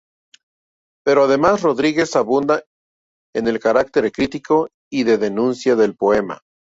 Pero además Rodríguez abunda en el carácter crítico y de denuncia del poema.